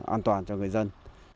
an toàn cho người dân